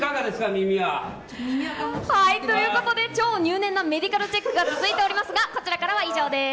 耳は。ということで、超入念なメディカルチェックが続いておりますが、こちらからは以上です。